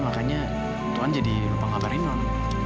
makanya tuhan jadi lupa kabarin non